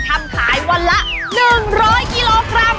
ทำขายวันละ๑๐๐กิโลกรัม